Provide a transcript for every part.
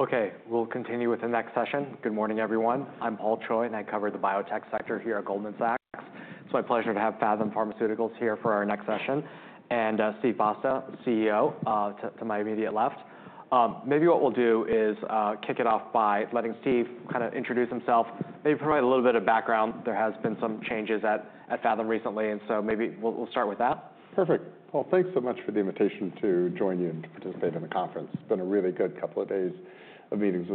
Okay, we'll continue with the next session. Good morning, everyone. I'm Paul Choi, and I cover the biotech sector here at Goldman Sachs. It's my pleasure to have Phathom Pharmaceuticals here for our next session. And Steve Basta, CEO, to my immediate left. Maybe what we'll do is kick it off by letting Steve kind of introduce himself, maybe provide a little bit of background. There have been some changes at Phathom recently, and so maybe we'll start with that. Perfect. Thank you so much for the invitation to join you and to participate in the conference. It has been a really good couple of days of meetings.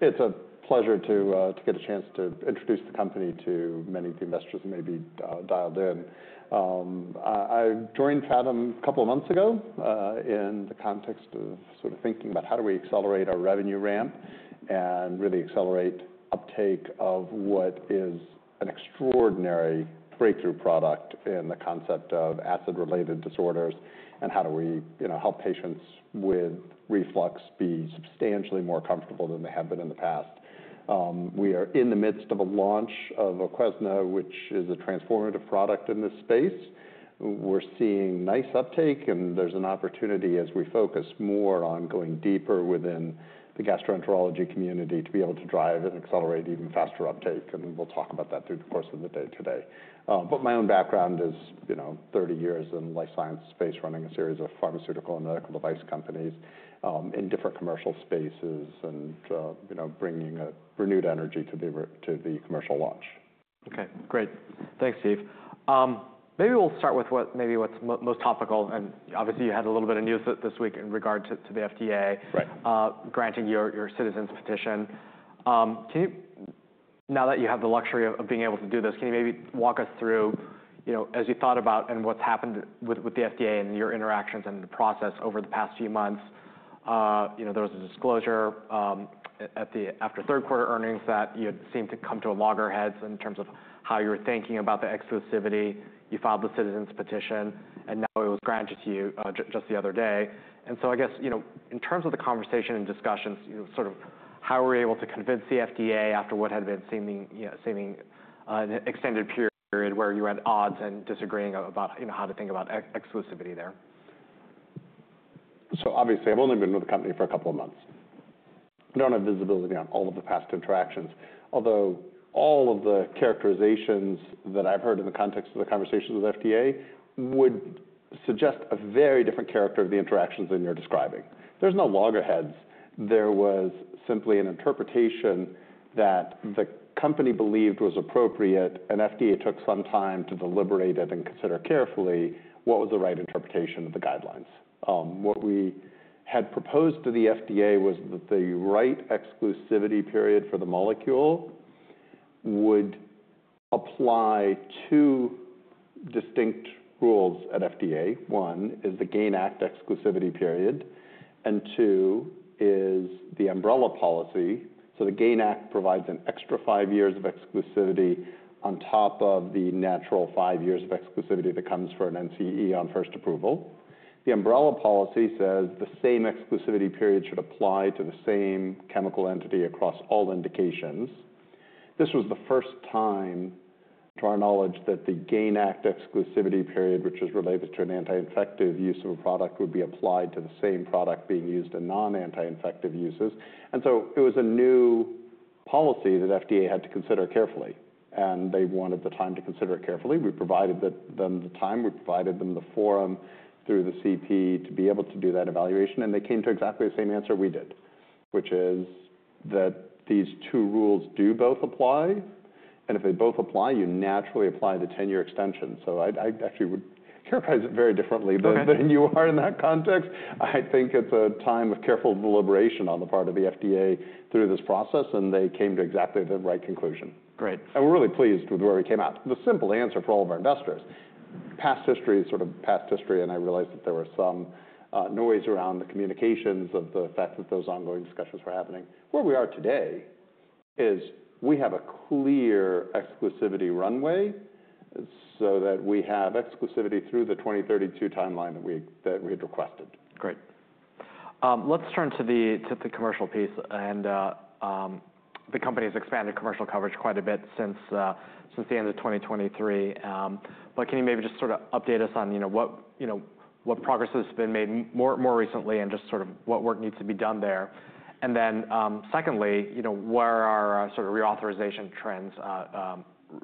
It is a pleasure to get a chance to introduce the company to many of the investors that may be dialed in. I joined Phathom a couple of months ago in the context of sort of thinking about how do we accelerate our revenue ramp and really accelerate uptake of what is an extraordinary breakthrough product in the concept of acid-related disorders, and how do we help patients with reflux be substantially more comfortable than they have been in the past. We are in the midst of a launch of VOQUEZNA, which is a transformative product in this space. We're seeing nice uptake, and there's an opportunity as we focus more on going deeper within the gastroenterology community to be able to drive and accelerate even faster uptake. We'll talk about that through the course of the day today. My own background is 30 years in the life science space, running a series of pharmaceutical and medical device companies in different commercial spaces and bringing renewed energy to the commercial launch. Okay, great. Thanks, Steve. Maybe we'll start with what's most topical. Obviously, you had a little bit of news this week in regard to the FDA granting your citizen's petition. Now that you have the luxury of being able to do this, can you maybe walk us through, as you thought about what's happened with the FDA and your interactions and the process over the past few months? There was a disclosure after third quarter earnings that you had seemed to come to a loggerhead in terms of how you were thinking about the exclusivity. You filed the citizen's petition, and now it was granted to you just the other day. I guess in terms of the conversation and discussions, sort of how were you able to convince the FDA after what had been seeming an extended period where you were at odds and disagreeing about how to think about exclusivity there? Obviously, I've only been with the company for a couple of months. I don't have visibility on all of the past interactions, although all of the characterizations that I've heard in the context of the conversations with the FDA would suggest a very different character of the interactions than you're describing. There's no loggerheads. There was simply an interpretation that the company believed was appropriate, and the FDA took some time to deliberate it and consider carefully what was the right interpretation of the guidelines. What we had proposed to the FDA was that the right exclusivity period for the molecule would apply to distinct rules at FDA. One is the GAIN Act exclusivity period, and two is the umbrella policy. The GAIN Act provides an extra five years of exclusivity on top of the natural five years of exclusivity that comes for an NCE on first approval. The umbrella policy says the same exclusivity period should apply to the same chemical entity across all indications. This was the first time to our knowledge that the GAIN Act exclusivity period, which is related to an anti-infective use of a product, would be applied to the same product being used in non-anti-infective uses. It was a new policy that the FDA had to consider carefully, and they wanted the time to consider it carefully. We provided them the time. We provided them the forum through the CP to be able to do that evaluation, and they came to exactly the same answer we did, which is that these two rules do both apply. If they both apply, you naturally apply the 10-year extension. I actually would characterize it very differently than you are in that context. I think it's a time of careful deliberation on the part of the FDA through this process, and they came to exactly the right conclusion. Great. We are really pleased with where we came out. The simple answer for all of our investors, past history is sort of past history, and I realized that there was some noise around the communications of the fact that those ongoing discussions were happening. Where we are today is we have a clear exclusivity runway so that we have exclusivity through the 2032 timeline that we had requested. Great. Let's turn to the commercial piece. The company has expanded commercial coverage quite a bit since the end of 2023. Can you maybe just sort of update us on what progress has been made more recently and just sort of what work needs to be done there? Secondly, where are sort of reauthorization trends,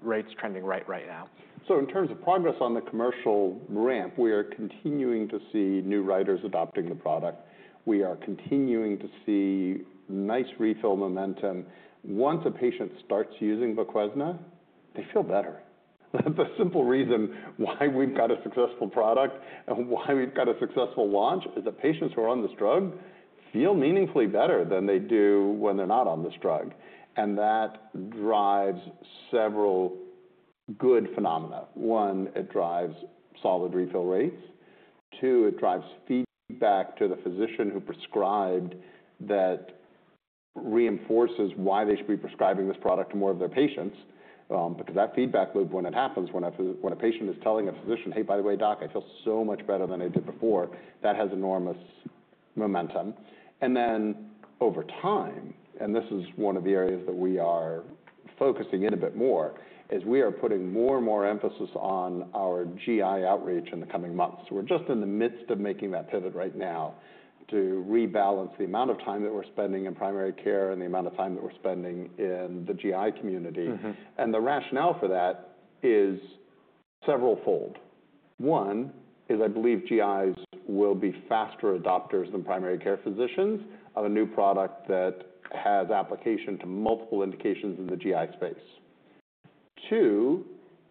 rates trending right now? In terms of progress on the commercial ramp, we are continuing to see new writers adopting the product. We are continuing to see nice refill momentum. Once a patient starts using VOQUEZNA, they feel better. The simple reason why we've got a successful product and why we've got a successful launch is that patients who are on this drug feel meaningfully better than they do when they're not on this drug. That drives several good phenomena. One, it drives solid refill rates. Two, it drives feedback to the physician who prescribed that reinforces why they should be prescribing this product to more of their patients. That feedback loop, when it happens, when a patient is telling a physician, "Hey, by the way, doc, I feel so much better than I did before," has enormous momentum. Over time, and this is one of the areas that we are focusing in a bit more, we are putting more and more emphasis on our GI outreach in the coming months. We are just in the midst of making that pivot right now to rebalance the amount of time that we are spending in primary care and the amount of time that we are spending in the GI community. The rationale for that is several-fold. One is I believe GIs will be faster adopters than primary care physicians of a new product that has application to multiple indications in the GI space. Two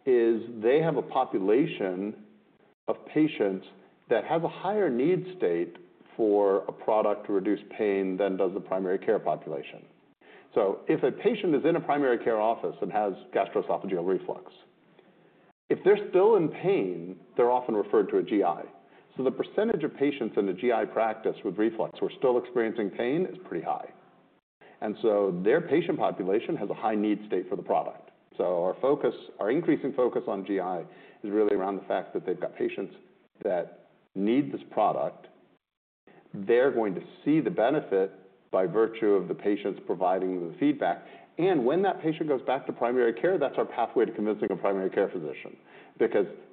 is they have a population of patients that has a higher need state for a product to reduce pain than does the primary care population. If a patient is in a primary care office and has gastroesophageal reflux, if they're still in pain, they're often referred to a GI. The percentage of patients in a GI practice with reflux who are still experiencing pain is pretty high. Their patient population has a high need state for the product. Our increasing focus on GI is really around the fact that they've got patients that need this product. They're going to see the benefit by virtue of the patients providing the feedback. When that patient goes back to primary care, that's our pathway to convincing a primary care physician.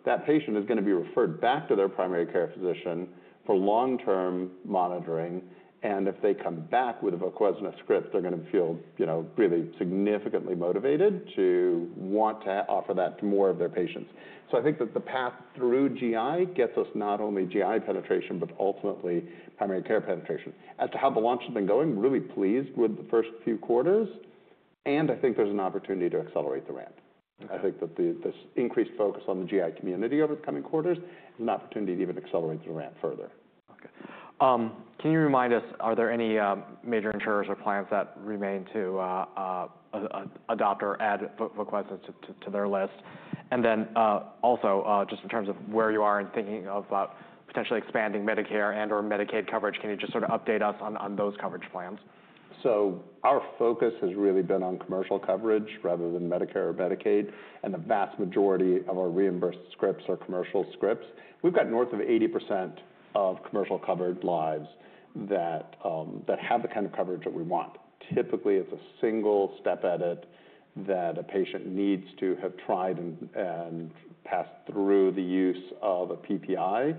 That patient is going to be referred back to their primary care physician for long-term monitoring. If they come back with a VOQUEZNA script, they're going to feel really significantly motivated to want to offer that to more of their patients. I think that the path through GI gets us not only GI penetration, but ultimately primary care penetration. As to how the launch has been going, really pleased with the first few quarters. I think there's an opportunity to accelerate the ramp. I think that this increased focus on the GI community over the coming quarters is an opportunity to even accelerate the ramp further. Okay. Can you remind us, are there any major insurers or clients that remain to adopt or add VOQUEZNA to their list? Also, just in terms of where you are in thinking about potentially expanding Medicare and/or Medicaid coverage, can you just sort of update us on those coverage plans? Our focus has really been on commercial coverage rather than Medicare or Medicaid. The vast majority of our reimbursed scripts are commercial scripts. We've got north of 80% of commercial-covered lives that have the kind of coverage that we want. Typically, it's a single step edit that a patient needs to have tried and passed through the use of a PPI.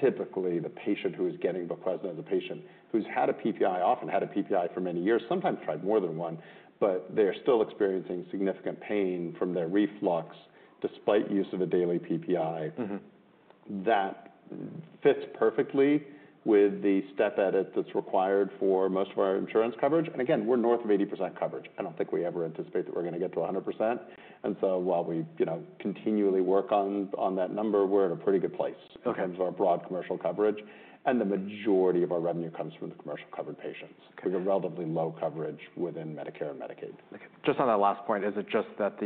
Typically, the patient who is getting VOQUEZNA is a patient who's had a PPI, often had a PPI for many years, sometimes tried more than one, but they're still experiencing significant pain from their reflux despite use of a daily PPI. That fits perfectly with the step edit that's required for most of our insurance coverage. Again, we're north of 80% coverage. I don't think we ever anticipate that we're going to get to 100%. While we continually work on that number, we're in a pretty good place in terms of our broad commercial coverage. The majority of our revenue comes from the commercial-covered patients. We have relatively low coverage within Medicare and Medicaid. Just on that last point, is it just that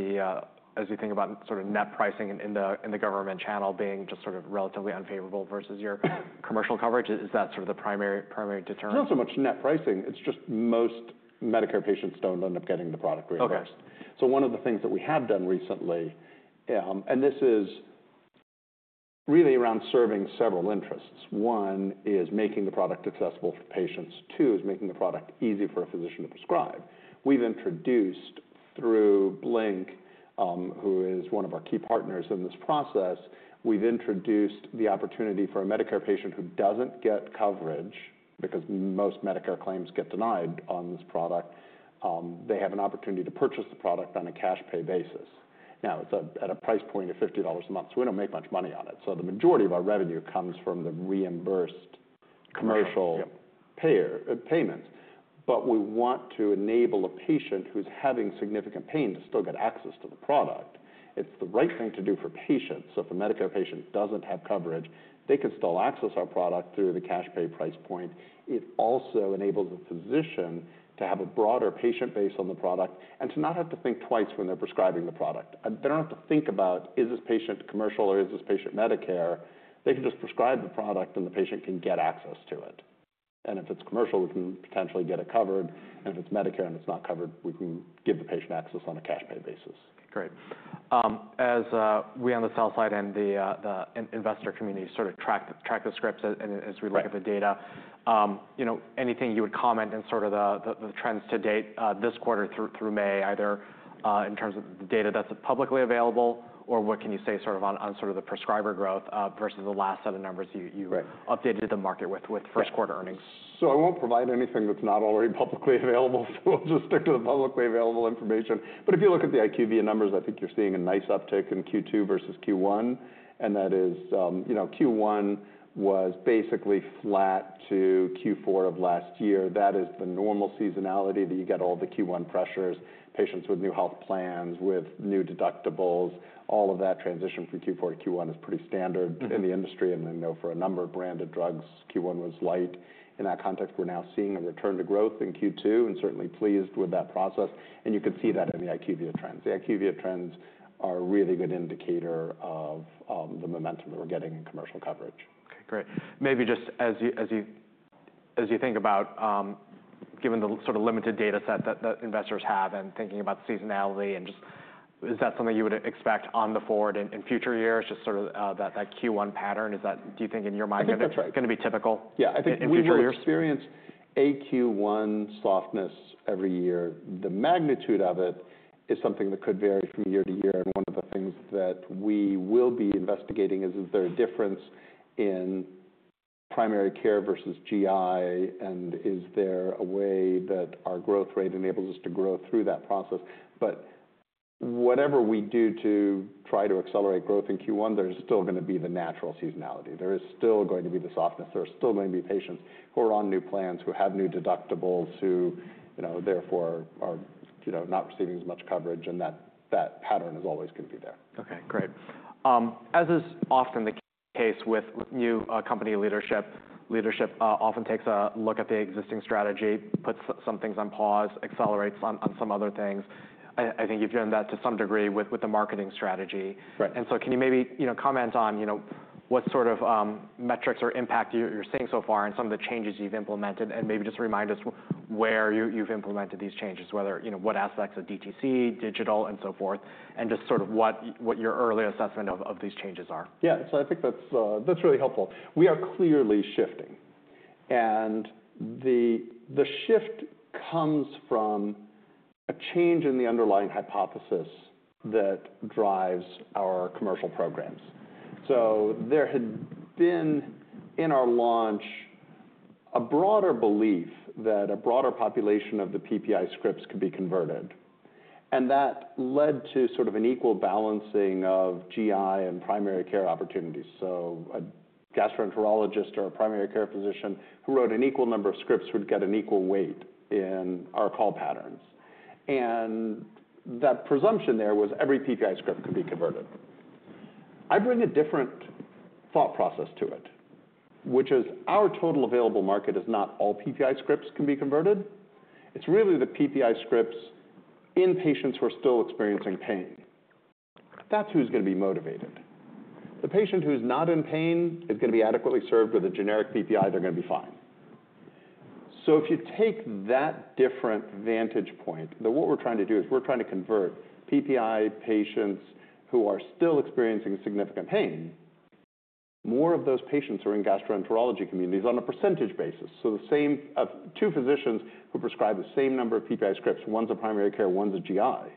as you think about sort of net pricing and the government channel being just sort of relatively unfavorable versus your commercial coverage, is that sort of the primary deterrent? It's not so much net pricing. It's just most Medicare patients don't end up getting the product very much. One of the things that we have done recently, and this is really around serving several interests. One is making the product accessible for patients. Two is making the product easy for a physician to prescribe. We've introduced through BlinkRx, who is one of our key partners in this process, we've introduced the opportunity for a Medicare patient who doesn't get coverage, because most Medicare claims get denied on this product, they have an opportunity to purchase the product on a cash pay basis. Now, it's at a price point of $50 a month, so we don't make much money on it. The majority of our revenue comes from the reimbursed commercial payments. We want to enable a patient who's having significant pain to still get access to the product. It's the right thing to do for patients. If a Medicare patient doesn't have coverage, they can still access our product through the cash pay price point. It also enables a physician to have a broader patient base on the product and to not have to think twice when they're prescribing the product. They don't have to think about, is this patient commercial or is this patient Medicare? They can just prescribe the product and the patient can get access to it. If it's commercial, we can potentially get it covered. If it's Medicare and it's not covered, we can give the patient access on a cash pay basis. Great. As we on the sell side and the investor community sort of track the scripts and as we look at the data, anything you would comment in sort of the trends to date this quarter through May, either in terms of the data that's publicly available or what can you say sort of on sort of the prescriber growth versus the last set of numbers you updated the market with first quarter earnings? I won't provide anything that's not already publicly available, so we'll just stick to the publicly available information. If you look at the IQV numbers, I think you're seeing a nice uptick in Q2 versus Q1. Q1 was basically flat to Q4 of last year. That is the normal seasonality that you get, all the Q1 pressures, patients with new health plans with new deductibles. All of that transition from Q4 to Q1 is pretty standard in the industry. I know for a number of branded drugs, Q1 was light. In that context, we're now seeing a return to growth in Q2 and certainly pleased with that process. You can see that in the IQV trends. The IQV trends are a really good indicator of the momentum that we're getting in commercial coverage. Okay, great. Maybe just as you think about, given the sort of limited data set that investors have and thinking about seasonality, is that something you would expect on the forward in future years, just sort of that Q1 pattern? Do you think in your mind going to be typical? Yeah, I think in future experience, a Q1 softness every year, the magnitude of it is something that could vary from year to year. One of the things that we will be investigating is, is there a difference in primary care versus GI? Is there a way that our growth rate enables us to grow through that process? Whatever we do to try to accelerate growth in Q1, there is still going to be the natural seasonality. There is still going to be the softness. There are still going to be patients who are on new plans, who have new deductibles, who therefore are not receiving as much coverage. That pattern is always going to be there. Okay, great. As is often the case with new company leadership, leadership often takes a look at the existing strategy, puts some things on pause, accelerates on some other things. I think you've done that to some degree with the marketing strategy. Can you maybe comment on what sort of metrics or impact you're seeing so far and some of the changes you've implemented? Maybe just remind us where you've implemented these changes, whether what aspects of DTC, digital, and so forth, and just sort of what your early assessment of these changes are. Yeah, so I think that's really helpful. We are clearly shifting. The shift comes from a change in the underlying hypothesis that drives our commercial programs. There had been in our launch a broader belief that a broader population of the PPI scripts could be converted. That led to sort of an equal balancing of GI and primary care opportunities. A gastroenterologist or a primary care physician who wrote an equal number of scripts would get an equal weight in our call patterns. The presumption there was every PPI script could be converted. I bring a different thought process to it, which is our total available market is not all PPI scripts can be converted. It's really the PPI scripts in patients who are still experiencing pain. That's who's going to be motivated. The patient who's not in pain is going to be adequately served with a generic PPI, they're going to be fine. If you take that different vantage point, what we're trying to do is we're trying to convert PPI patients who are still experiencing significant pain. More of those patients are in gastroenterology communities on a percentage basis. The same two physicians who prescribe the same number of PPI scripts, one's a primary care, one's a GI.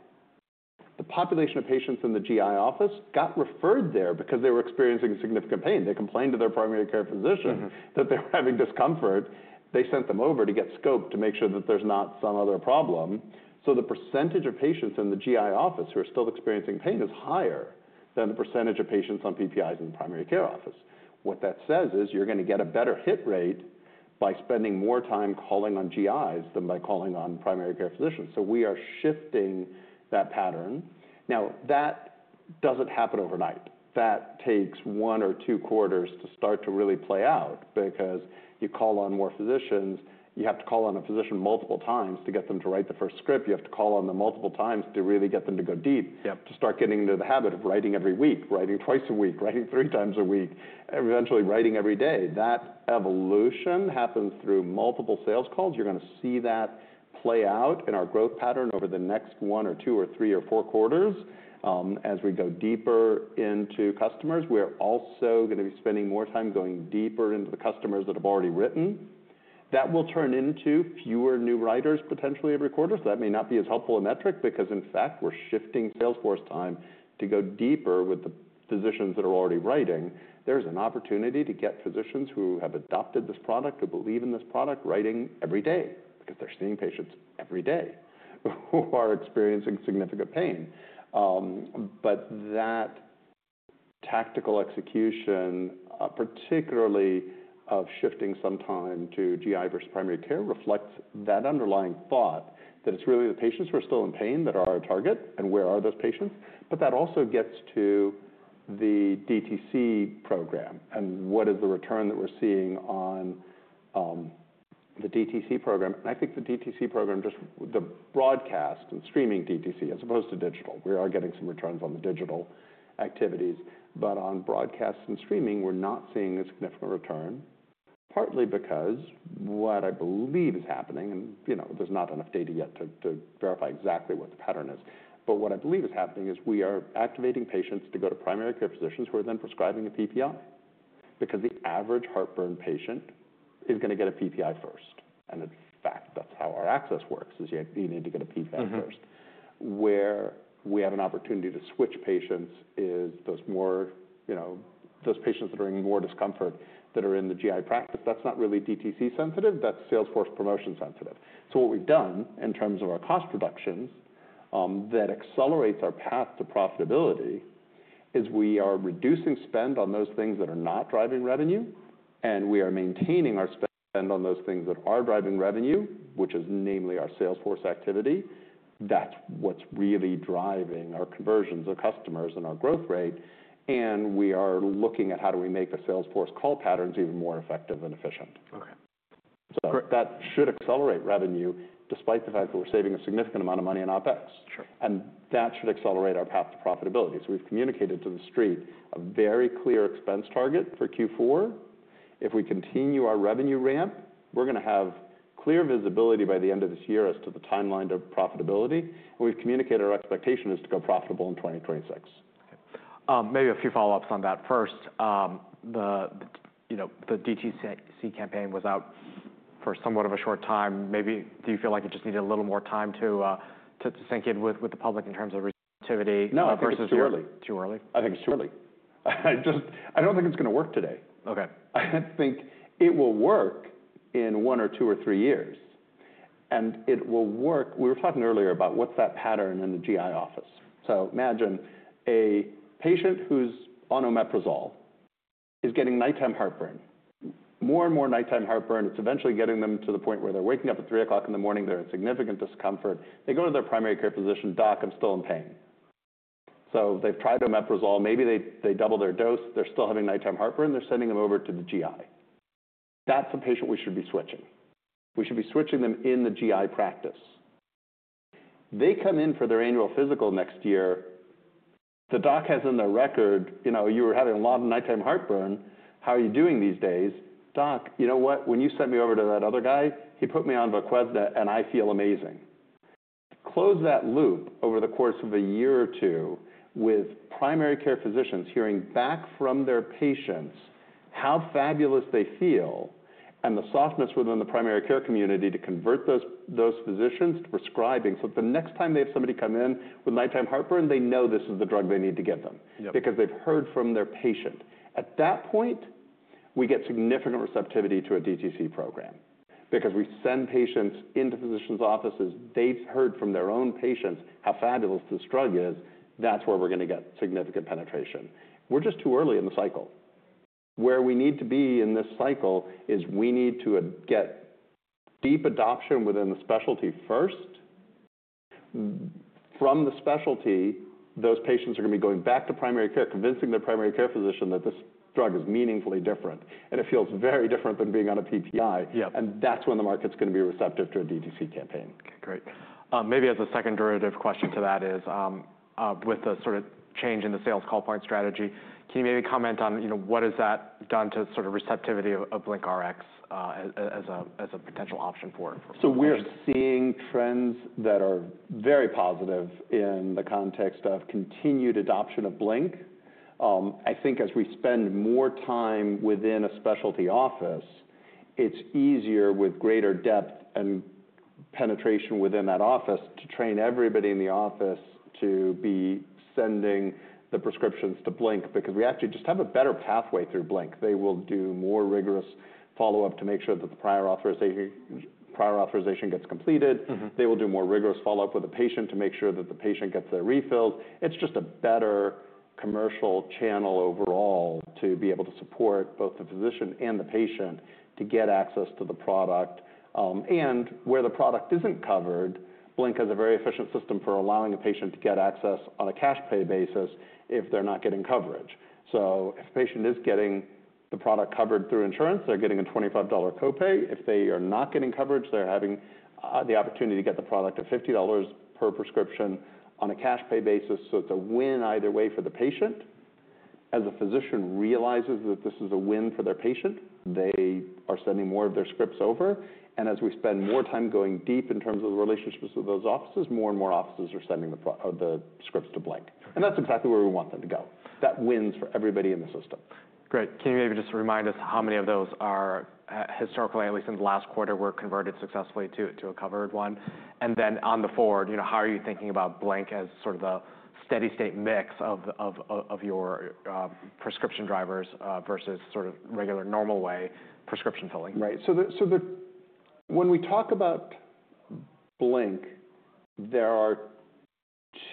The population of patients in the GI office got referred there because they were experiencing significant pain. They complained to their primary care physician that they were having discomfort. They sent them over to get scoped to make sure that there's not some other problem. The percentage of patients in the GI office who are still experiencing pain is higher than the percentage of patients on PPIs in the primary care office. What that says is you're going to get a better hit rate by spending more time calling on GIs than by calling on primary care physicians. We are shifting that pattern. Now, that doesn't happen overnight. That takes one or two quarters to start to really play out. Because you call on more physicians, you have to call on a physician multiple times to get them to write the first script. You have to call on them multiple times to really get them to go deep, to start getting into the habit of writing every week, writing twice a week, writing three times a week, eventually writing every day. That evolution happens through multiple sales calls. You're going to see that play out in our growth pattern over the next one or two or three or four quarters. As we go deeper into customers, we're also going to be spending more time going deeper into the customers that have already written. That will turn into fewer new writers potentially every quarter. That may not be as helpful a metric because in fact, we're shifting Salesforce time to go deeper with the physicians that are already writing. There's an opportunity to get physicians who have adopted this product or believe in this product writing every day because they're seeing patients every day who are experiencing significant pain. That tactical execution, particularly of shifting some time to GI versus primary care, reflects that underlying thought that it's really the patients who are still in pain that are our target and where are those patients. That also gets to the DTC program and what is the return that we're seeing on the DTC program. I think the DTC program, just the broadcast and streaming DTC as opposed to digital, we are getting some returns on the digital activities. On broadcast and streaming, we're not seeing a significant return, partly because what I believe is happening, and there's not enough data yet to verify exactly what the pattern is. What I believe is happening is we are activating patients to go to primary care physicians who are then prescribing a PPI because the average heartburn patient is going to get a PPI first. In fact, that's how our access works is you need to get a PPI first. Where we have an opportunity to switch patients is those patients that are in more discomfort that are in the GI practice, that's not really DTC sensitive, that's Salesforce promotion sensitive. What we've done in terms of our cost reductions that accelerates our path to profitability is we are reducing spend on those things that are not driving revenue. We are maintaining our spend on those things that are driving revenue, which is namely our Salesforce activity. That's what's really driving our conversions of customers and our growth rate. We are looking at how do we make the Salesforce call patterns even more effective and efficient. That should accelerate revenue despite the fact that we're saving a significant amount of money in OpEx. That should accelerate our path to profitability. We've communicated to the street a very clear expense target for Q4. If we continue our revenue ramp, we're going to have clear visibility by the end of this year as to the timeline to profitability. We've communicated our expectation is to go profitable in 2026. Maybe a few follow-ups on that. First, the DTC campaign was out for somewhat of a short time. Maybe do you feel like it just needed a little more time to sink in with the public in terms of receptivity? No, I think it's too early. Too early? I think it's too early. I don't think it's going to work today. I think it will work in one or two or three years. It will work. We were talking earlier about what's that pattern in the GI office. Imagine a patient who's on omeprazole is getting nighttime heartburn, more and more nighttime heartburn. It's eventually getting them to the point where they're waking up at 3:00 A.M., they're in significant discomfort. They go to their primary care physician, doc, I'm still in pain. They've tried omeprazole, maybe they double their dose, they're still having nighttime heartburn, they're sending them over to the GI. That's a patient we should be switching. We should be switching them in the GI practice. They come in for their annual physical next year. The doc has in their record, you know, you were having a lot of nighttime heartburn. How are you doing these days? Doc, you know what? When you sent me over to that other guy, he put me on VOQUEZNA and I feel amazing. Close that loop over the course of a year or two with primary care physicians hearing back from their patients how fabulous they feel and the softness within the primary care community to convert those physicians to prescribing so that the next time they have somebody come in with nighttime heartburn, they know this is the drug they need to get them because they've heard from their patient. At that point, we get significant receptivity to a DTC program because we send patients into physicians' offices. They've heard from their own patients how fabulous this drug is. That's where we're going to get significant penetration. We're just too early in the cycle. Where we need to be in this cycle is we need to get deep adoption within the specialty first. From the specialty, those patients are going to be going back to primary care, convincing their primary care physician that this drug is meaningfully different. It feels very different than being on a PPI. That's when the market's going to be receptive to a DTC campaign. Great. Maybe as a second derivative question to that is with the sort of change in the sales call point strategy, can you maybe comment on what has that done to sort of receptivity of BlinkRx as a potential option for? We're seeing trends that are very positive in the context of continued adoption of BlinkRx. I think as we spend more time within a specialty office, it's easier with greater depth and penetration within that office to train everybody in the office to be sending the prescriptions to BlinkRx because we actually just have a better pathway through BlinkRx. They will do more rigorous follow-up to make sure that the prior authorization gets completed. They will do more rigorous follow-up with the patient to make sure that the patient gets their refills. It's just a better commercial channel overall to be able to support both the physician and the patient to get access to the product. Where the product isn't covered, BlinkRx has a very efficient system for allowing a patient to get access on a cash pay basis if they're not getting coverage. If a patient is getting the product covered through insurance, they're getting a $25 copay. If they are not getting coverage, they're having the opportunity to get the product at $50 per prescription on a cash pay basis. It's a win either way for the patient. As a physician realizes that this is a win for their patient, they are sending more of their scripts over. As we spend more time going deep in terms of the relationships with those offices, more and more offices are sending the scripts to BlinkRx. That's exactly where we want them to go. That wins for everybody in the system. Great. Can you maybe just remind us how many of those are historically, at least in the last quarter, were converted successfully to a covered one? On the forward, how are you thinking about Blink as sort of the steady state mix of your prescription drivers versus sort of regular normal way prescription filling? Right. When we talk about Blink, there are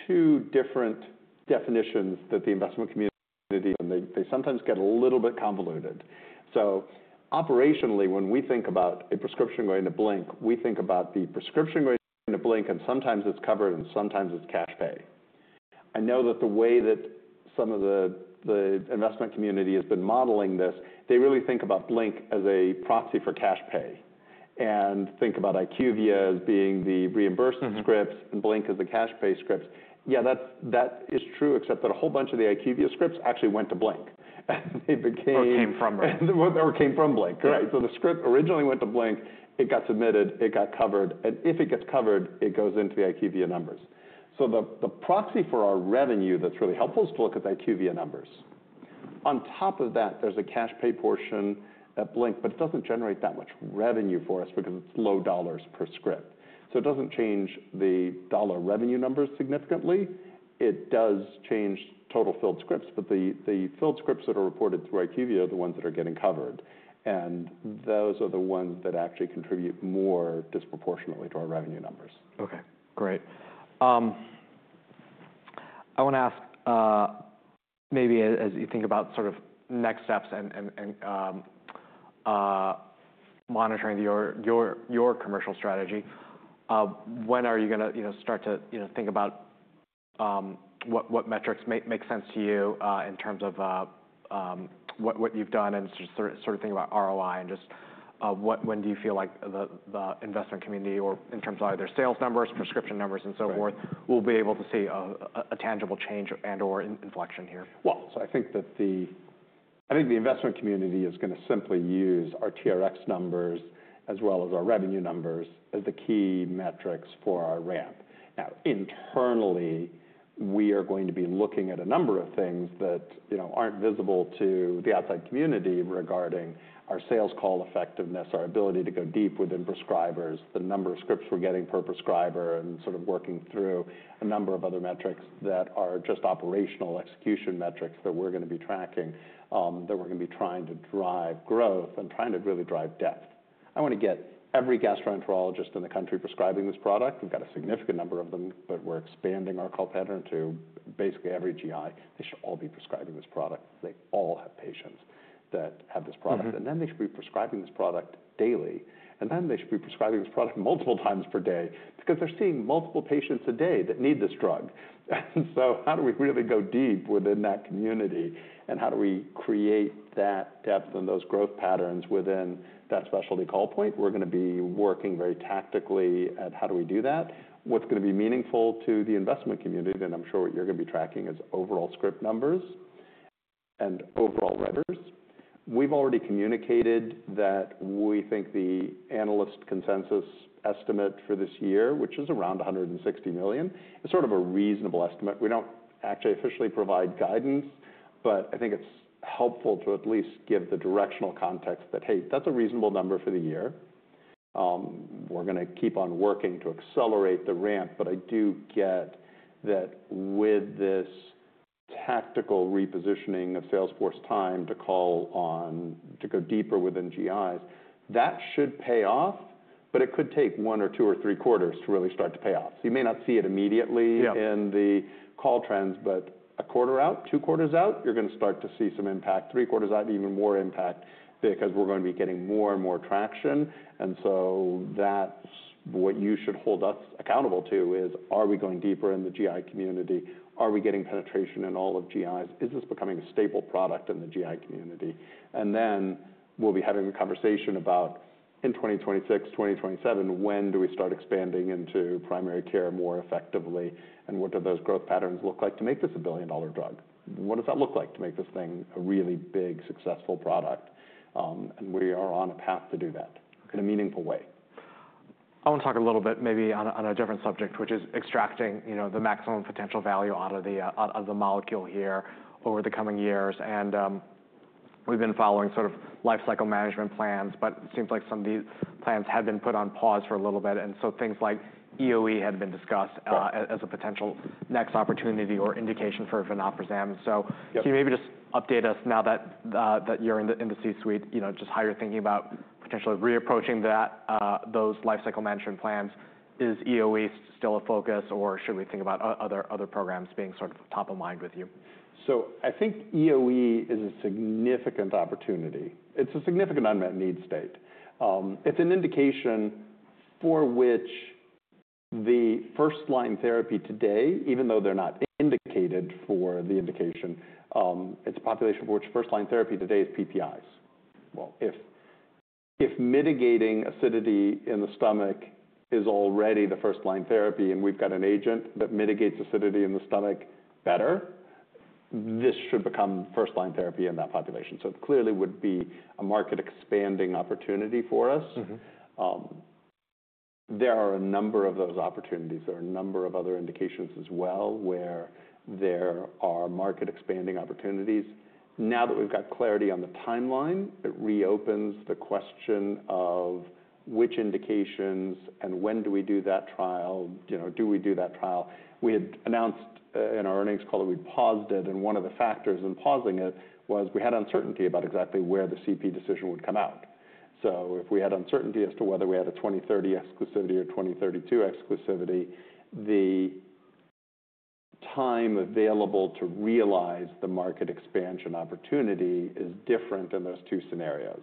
two different definitions that the investment community and they sometimes get a little bit convoluted. Operationally, when we think about a prescription going to Blink, we think about the prescription going to Blink and sometimes it's covered and sometimes it's cash pay. I know that the way that some of the investment community has been modeling this, they really think about Blink as a proxy for cash pay and think about IQVIA as being the reimbursement scripts and Blink as the cash pay scripts. Yeah, that is true, except that a whole bunch of the IQVIA scripts actually went to Blink. Or came from BlinkRx. Or came from BlinkRx. The script originally went to BlinkRx, it got submitted, it got covered. If it gets covered, it goes into the IQVIA numbers. The proxy for our revenue that's really helpful is to look at the IQVIA numbers. On top of that, there's a cash pay portion at BlinkRx, but it doesn't generate that much revenue for us because it's low dollars per script. It doesn't change the dollar revenue numbers significantly. It does change total filled scripts, but the filled scripts that are reported through IQVIA are the ones that are getting covered. Those are the ones that actually contribute more disproportionately to our revenue numbers. Okay. Great. I want to ask maybe as you think about sort of next steps and monitoring your commercial strategy, when are you going to start to think about what metrics make sense to you in terms of what you've done and sort of think about ROI and just when do you feel like the investment community or in terms of either sales numbers, prescription numbers and so forth will be able to see a tangible change and/or inflection here? I think that the investment community is going to simply use our TRX numbers as well as our revenue numbers as the key metrics for our ramp. Now, internally, we are going to be looking at a number of things that aren't visible to the outside community regarding our sales call effectiveness, our ability to go deep within prescribers, the number of scripts we're getting per prescriber and sort of working through a number of other metrics that are just operational execution metrics that we're going to be tracking, that we're going to be trying to drive growth and trying to really drive depth. I want to get every gastroenterologist in the country prescribing this product. We've got a significant number of them, but we're expanding our call pattern to basically every GI. They should all be prescribing this product. They all have patients that have this product. They should be prescribing this product daily. They should be prescribing this product multiple times per day because they're seeing multiple patients a day that need this drug. How do we really go deep within that community and how do we create that depth and those growth patterns within that specialty call point? We're going to be working very tactically at how do we do that. What's going to be meaningful to the investment community? I'm sure what you're going to be tracking is overall script numbers and overall writers. We've already communicated that we think the analyst consensus estimate for this year, which is around $160 million, is sort of a reasonable estimate. We don't actually officially provide guidance, but I think it's helpful to at least give the directional context that, hey, that's a reasonable number for the year. We're going to keep on working to accelerate the ramp, but I do get that with this tactical repositioning of Salesforce time to go deeper within GIs, that should pay off, but it could take one or two or three quarters to really start to pay off. You may not see it immediately in the call trends, but a quarter out, two quarters out, you're going to start to see some impact. Three quarters out, even more impact because we're going to be getting more and more traction. That's what you should hold us accountable to is, are we going deeper in the GI community? Are we getting penetration in all of GIs? Is this becoming a staple product in the GI community? We'll be having a conversation about in 2026, 2027, when do we start expanding into primary care more effectively and what do those growth patterns look like to make this a billion-dollar drug? What does that look like to make this thing a really big successful product? We are on a path to do that in a meaningful way. I want to talk a little bit maybe on a different subject, which is extracting the maximum potential value out of the molecule here over the coming years. We have been following sort of life cycle management plans, but it seems like some of these plans have been put on pause for a little bit. Things like EoE had been discussed as a potential next opportunity or indication for vonoprazan. Can you maybe just update us now that you are in the C-suite, just how you are thinking about potentially reapproaching those life cycle management plans? Is EoE still a focus or should we think about other programs being sort of top of mind with you? I think EoE is a significant opportunity. It's a significant unmet need state. It's an indication for which the first-line therapy today, even though they're not indicated for the indication, it's a population for which first-line therapy today is PPIs. If mitigating acidity in the stomach is already the first-line therapy and we've got an agent that mitigates acidity in the stomach better, this should become first-line therapy in that population. It clearly would be a market expanding opportunity for us. There are a number of those opportunities. There are a number of other indications as well where there are market expanding opportunities. Now that we've got clarity on the timeline, it reopens the question of which indications and when do we do that trial. Do we do that trial? We had announced in our earnings call that we'd paused it. One of the factors in pausing it was we had uncertainty about exactly where the CP decision would come out. If we had uncertainty as to whether we had a 2030 exclusivity or 2032 exclusivity, the time available to realize the market expansion opportunity is different in those two scenarios.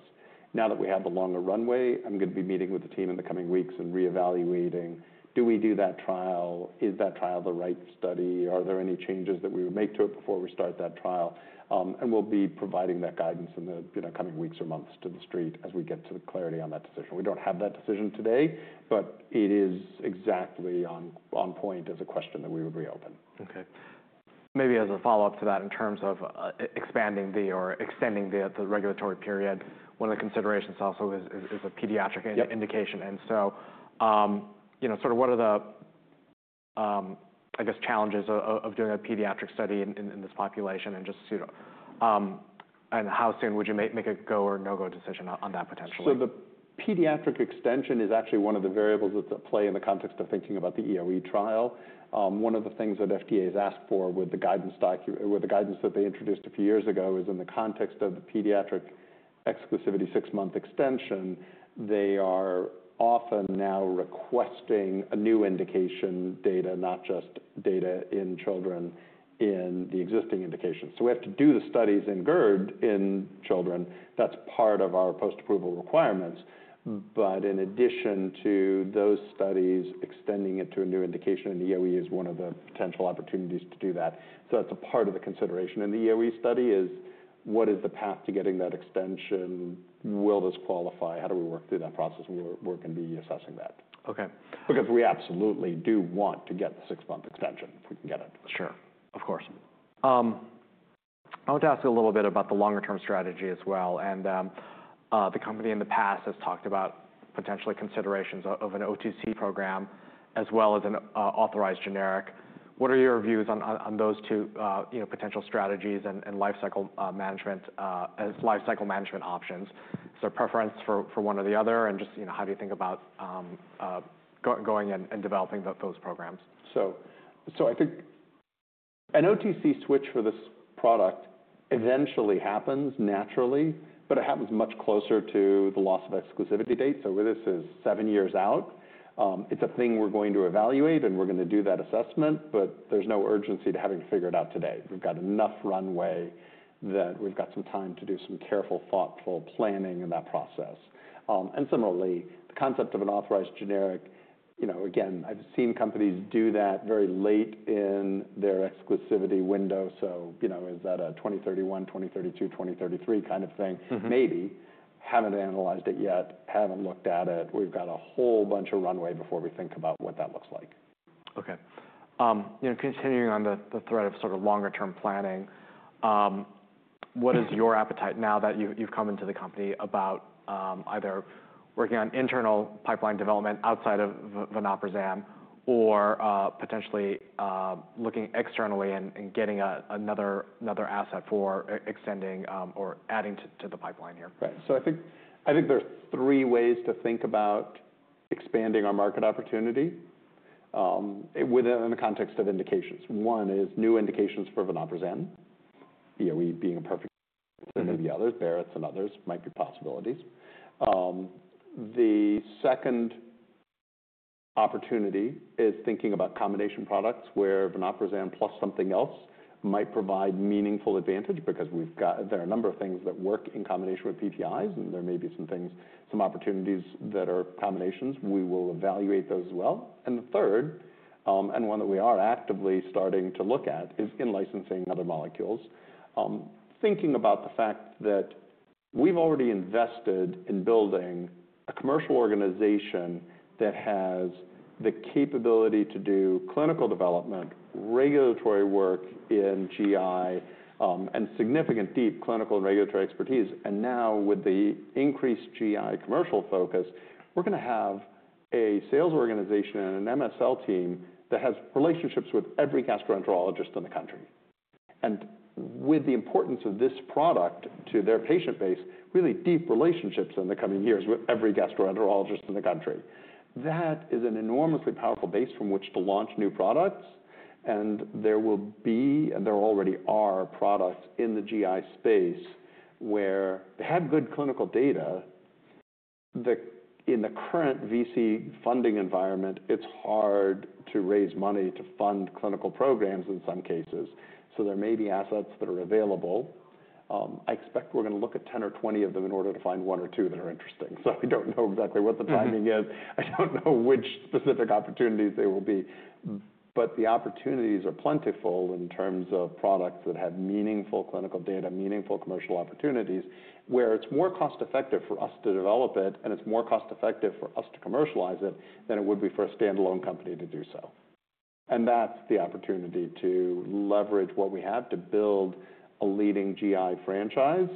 Now that we have a longer runway, I'm going to be meeting with the team in the coming weeks and reevaluating, do we do that trial? Is that trial the right study? Are there any changes that we would make to it before we start that trial? We'll be providing that guidance in the coming weeks or months to the street as we get to the clarity on that decision. We don't have that decision today, but it is exactly on point as a question that we would reopen. Okay. Maybe as a follow-up to that in terms of expanding the or extending the regulatory period, one of the considerations also is a pediatric indication. And so sort of what are the, I guess, challenges of doing a pediatric study in this population and just how soon would you make a go or no-go decision on that potentially? The pediatric extension is actually one of the variables that play in the context of thinking about the EoE trial. One of the things that FDA has asked for with the guidance that they introduced a few years ago is in the context of the pediatric exclusivity six-month extension, they are often now requesting a new indication data, not just data in children in the existing indication. We have to do the studies in GERD in children. That's part of our post-approval requirements. In addition to those studies, extending it to a new indication in EoE is one of the potential opportunities to do that. That's a part of the consideration. The EoE study is what is the path to getting that extension? Will this qualify? How do we work through that process? We're going to be assessing that. Okay. Because we absolutely do want to get the six-month extension if we can get it. Sure. Of course. I want to ask a little bit about the longer-term strategy as well. The company in the past has talked about potentially considerations of an OTC program as well as an authorized generic. What are your views on those two potential strategies and life cycle management options? Is there a preference for one or the other? Just how do you think about going and developing those programs? So I think an OTC switch for this product eventually happens naturally, but it happens much closer to the loss of exclusivity date. This is seven years out. It's a thing we're going to evaluate and we're going to do that assessment, but there's no urgency to having to figure it out today. We've got enough runway that we've got some time to do some careful, thoughtful planning in that process. Similarly, the concept of an authorized generic, again, I've seen companies do that very late in their exclusivity window. Is that a 2031, 2032, 2033 kind of thing? Maybe. Haven't analyzed it yet. Haven't looked at it. We've got a whole bunch of runway before we think about what that looks like. Okay. Continuing on the thread of sort of longer-term planning, what is your appetite now that you've come into the company about either working on internal pipeline development outside of vonoprazan or potentially looking externally and getting another asset for extending or adding to the pipeline here? Right. I think there's three ways to think about expanding our market opportunity within the context of indications. One is new indications for vonoprazan, EoE being a perfect fit for maybe others. Barrett's and others might be possibilities. The second opportunity is thinking about combination products where vonoprazan plus something else might provide meaningful advantage because there are a number of things that work in combination with PPIs and there may be some things, some opportunities that are combinations. We will evaluate those as well. The third, and one that we are actively starting to look at, is in licensing other molecules. Thinking about the fact that we've already invested in building a commercial organization that has the capability to do clinical development, regulatory work in GI, and significant deep clinical and regulatory expertise. Now with the increased GI commercial focus, we're going to have a sales organization and an MSL team that has relationships with every gastroenterologist in the country. And With the importance of this product to their patient base, really deep relationships in the coming years with every gastroenterologist in the country. That is an enormously powerful base from which to launch new products. There will be, and there already are, products in the GI space where they have good clinical data. In the current VC funding environment, it's hard to raise money to fund clinical programs in some cases. There may be assets that are available. I expect we're going to look at 10 or 20 of them in order to find one or two that are interesting. I don't know exactly what the timing is. I don't know which specific opportunities there will be. The opportunities are plentiful in terms of products that have meaningful clinical data, meaningful commercial opportunities where it's more cost-effective for us to develop it and it's more cost-effective for us to commercialize it than it would be for a standalone company to do so. That's the opportunity to leverage what we have to build a leading GI franchise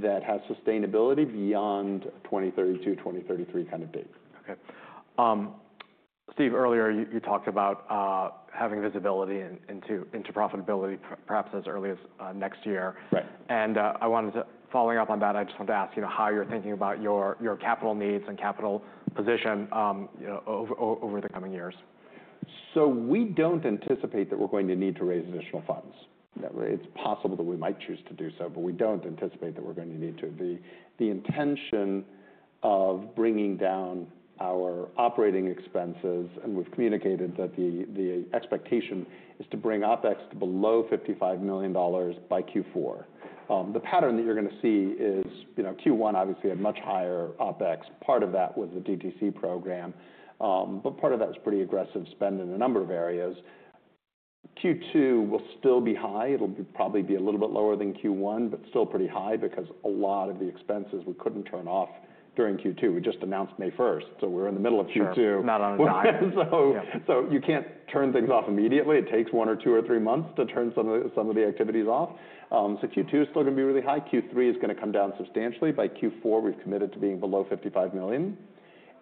that has sustainability beyond 2032, 2033 kind of date. Okay. Steve, earlier you talked about having visibility into profitability perhaps as early as next year. Following up on that, I just want to ask how you're thinking about your capital needs and capital position over the coming years. We don't anticipate that we're going to need to raise additional funds. It's possible that we might choose to do so, but we don't anticipate that we're going to need to. The intention of bringing down our operating expenses, and we've communicated that the expectation is to bring OpEx to below $55 million by Q4. The pattern that you're going to see is Q1 obviously had much higher OpEx. Part of that was the DTC program, but part of that was pretty aggressive spend in a number of areas. Q2 will still be high. It'll probably be a little bit lower than Q1, but still pretty high because a lot of the expenses we couldn't turn off during Q2. We just announced May 1. We're in the middle of Q2. Sure. Not on a dime. You can't turn things off immediately. It takes one or two or three months to turn some of the activities off. Q2 is still going to be really high. Q3 is going to come down substantially by Q4, we've committed to being below $55 million.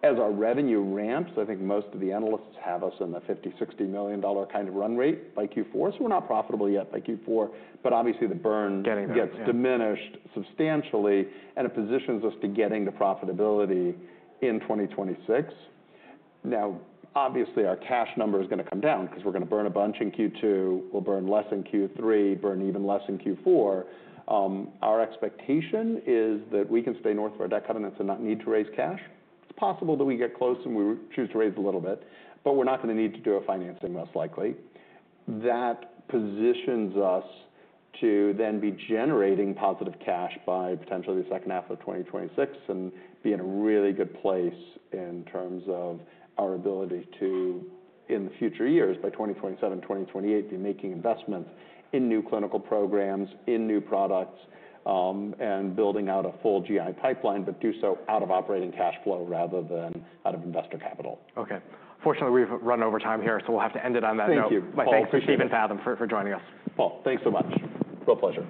As our revenue ramps, I think most of the analysts have us in the $50-$60 million kind of run rate by Q4. We're not profitable yet by Q4, but obviously the burn gets diminished substantially and it positions us to getting to profitability in 2026. Now, obviously our cash number is going to come down because we're going to burn a bunch in Q2, we'll burn less in Q3, burn even less in Q4. Our expectation is that we can stay north of our deck cutting and not need to raise cash. It's possible that we get close and we choose to raise a little bit, but we're not going to need to do a financing most likely. That positions us to then be generating positive cash by potentially the second half of 2026 and be in a really good place in terms of our ability to, in the future years by 2027, 2028, be making investments in new clinical programs, in new products, and building out a full GI pipeline, but do so out of operating cash flow rather than out of investor capital. Okay. Fortunately, we've run over time here, so we'll have to end it on that note. Thank you. My thanks to Steve Basta for joining us. Paul, thanks so much. Real pleasure.